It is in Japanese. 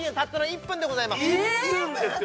１分ですよ